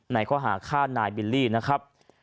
ในข้อหาฆ่านายบิลลี่นะครับ